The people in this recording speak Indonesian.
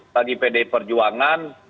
jadi bagi pd perjuangan